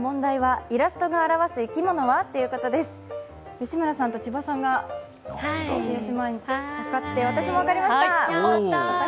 吉村さんと千葉さんが分かって、私も分かりました！